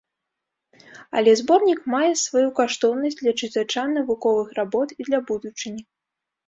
Але зборнік мае сваю каштоўнасць для чытача навуковых работ і для будучыні.